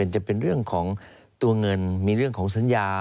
จะเป็นเรื่องของตัวเงินมีเรื่องของสัญญา